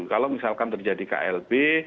kalau misalkan terjadi klb